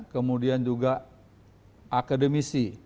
kemudian juga akademisi